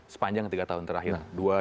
sepanjang tiga tahun terakhir